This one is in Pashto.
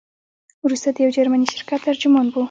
وروسته د یو جرمني شرکت ترجمان وو.